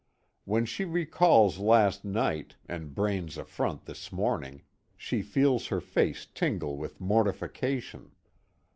When she recalls last night, and Braine's affront this morning, she feels her face tingle with mortification.